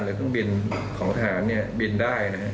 หรือเครื่องบินของทหารเนี่ยบินได้